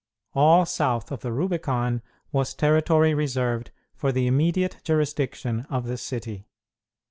All south of the Rubicon was territory reserved for the immediate jurisdiction of the city.